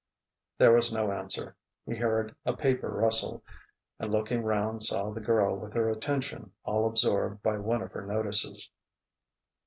There was no answer. He heard a paper rustle, and looking round saw the girl with her attention all absorbed by one of her notices.